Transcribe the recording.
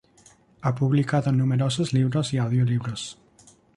Ha publicado numerosos libros y audiolibros.